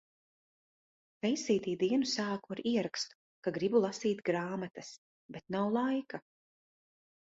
Feisītī dienu sāku ar ierakstu, ka gribu lasīt grāmatas, bet nav laika.